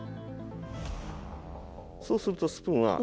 そうするとスプーンは。